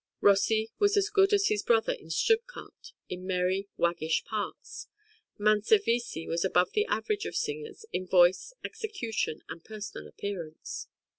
Rossi was as good as his brother in Stuttgart in merry, waggish parts; Manservisi was above the average of singers in voice, execution, and personal appearance.